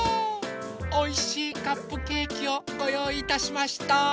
おいしいカップケーキをごよういいたしました。